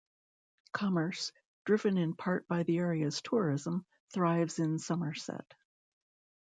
Commerce, driven in part by the area's tourism, thrives in Somerset.